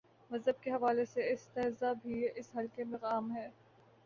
مذہب کے حوالے سے استہزا بھی، اس حلقے میں عام ہے۔